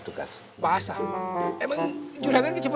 tunggu mana siapa